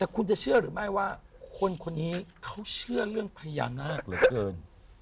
คุณจะเชื่อหรือไม่ว่าคนคนนี้เขาเชื่อเรื่องพญานาคเหลือเกิน